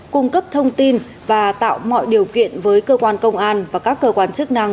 cung cấp thông tin và tạo mọi điều kiện với cơ quan công an và các cơ quan chức năng